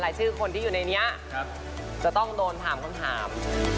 ชื่อคนที่อยู่ในนี้จะต้องโดนถามคำถาม